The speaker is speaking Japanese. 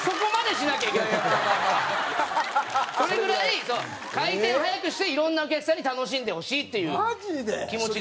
それぐらい回転を早くしていろんなお客さんに楽しんでほしいっていう気持ちが強いんですよね。